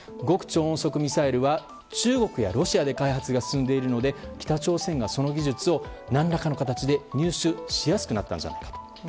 極超音速ミサイルは中国やロシアで開発が進んでいるので北朝鮮がその技術を何らかの形で入手しやすくなったのではないか。